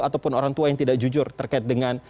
ataupun orang tua yang tidak jujur terkait dengan